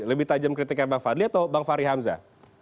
lebih tajam kritiknya bang fadli atau bang fahri hamzah